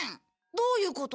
どういうこと？